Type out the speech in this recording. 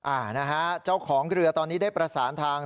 อ่านะฮะเจ้าของเรือตอนนี้ได้ประสานทาง